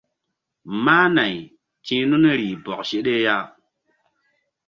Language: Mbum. Máh nay ti̧h nun rih bɔk seɗe.